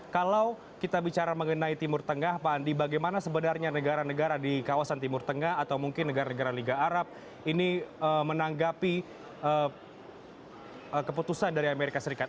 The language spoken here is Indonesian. kalau kita bicara mengenai timur tengah pak andi bagaimana sebenarnya negara negara di kawasan timur tengah atau mungkin negara negara liga arab ini menanggapi keputusan dari amerika serikat